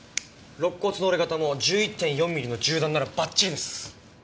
肋骨の折れ方も１１．４ミリの銃弾ならバッチリです。